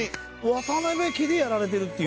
渡辺家でやられてるっていう。